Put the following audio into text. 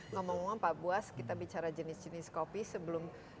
ngomong ngomong pak buas kita bicara jenis jenis kopi sebelum